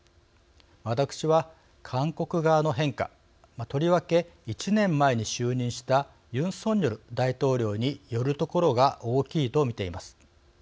私は、韓国側の変化とりわけ１年前に就任したユン・ソンニョル大統領によるところが大きいと見ています。